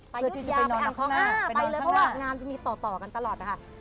ไปยุทธิ์ยาวไปอ่างท้องห้าไปเลยเพราะว่างงานมีต่อกันตลอดนะคะ